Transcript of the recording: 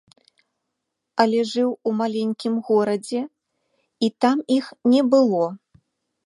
Але жыў у маленькім горадзе, і там іх не было.